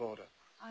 はい。